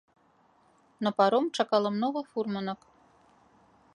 На паром чакала многа фурманак.